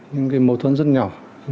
những cái mâu thuẫn rất nhỏ